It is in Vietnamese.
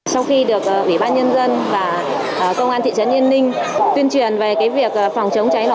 sau khi được ủy ban nhân dân và công an thị trấn yên ninh tuyên truyền về việc phòng chống cháy nổ